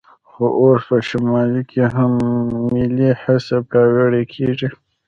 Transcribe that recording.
خو اوس په شمال کې هم ملي حس پیاوړی کېږي.